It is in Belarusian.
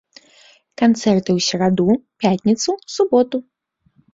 Канцэрты ў сераду, пятніцу, суботу.